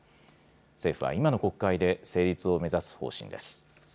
政府は、今の国会で成立を目指す方針です。